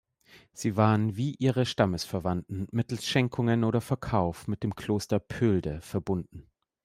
Sie waren wie ihre Stammesverwandten mittels Schenkungen oder Verkauf mit dem Kloster Pöhlde verbunden.